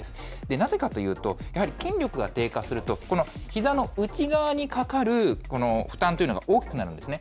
なぜかというと、やはり筋力が低下すると、このひざの内側にかかる負担というのが大きくなるんですね。